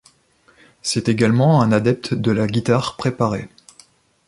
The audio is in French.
C'est également un adepte de la guitare préparée.